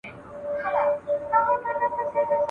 بوالعلا وو بریان سوی چرګ لیدلی !.